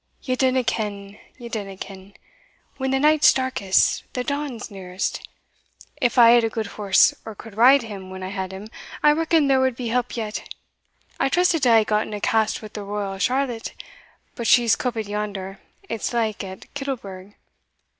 "Ye dinna ken ye dinna ken: when the night's darkest, the dawn's nearest. If I had a gude horse, or could ride him when I had him, I reckon there wad be help yet. I trusted to hae gotten a cast wi' the Royal Charlotte, but she's coupit yonder, it's like, at Kittlebrig.